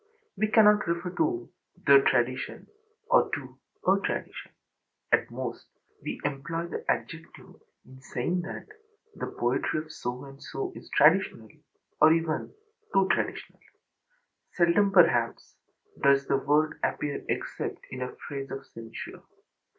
We cannot refer to âthe traditionâ or to âa traditionâ; at most, we employ the adjective in saying that the poetry of So and so is âtraditionalâ or even âtoo traditional.â Seldom, perhaps, does the word appear except in a phrase of censure.